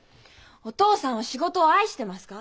お父さんは仕事を愛してますか？